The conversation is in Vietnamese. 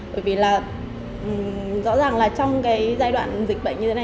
bởi vì rõ ràng là trong giai đoạn dịch bệnh như thế này